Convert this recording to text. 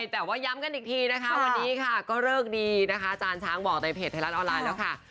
แต่ว่าย้ำกันอีกทีนะคะวันนี้ค่ะก็เลิกดีนะคะอาจารย์ช้างบอกในเพจไทยรัฐออนไลน์แล้วค่ะ